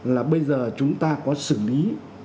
là bây giờ chúng ta có xử lý